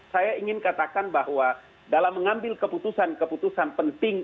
saya ingin katakan bahwa dalam mengambil keputusan keputusan penting